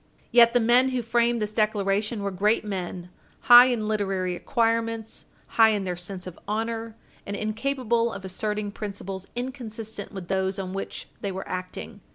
Yet the men who framed this declaration were great men high in literary acquirements, high in their sense of honor, and incapable of asserting principles inconsistent with those on which they were acting.